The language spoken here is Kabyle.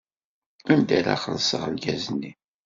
Anda ara xellṣeɣ lgaz-nni?